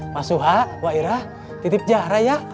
mas suha wairah titip jarak ya